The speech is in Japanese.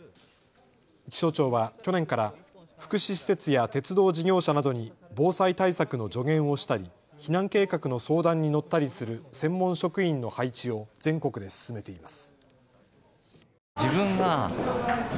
気象庁は去年から福祉施設や鉄道事業者などに防災対策の助言をしたり避難計画の相談に乗ったりする専門職員の配置を全国で進めています。